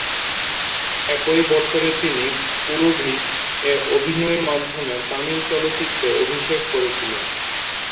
একই বছর তিনি "কুরুভী"-এ অভিনয়ের মাধ্যমে তামিল চলচ্চিত্রে অভিষেক করেছিলেন।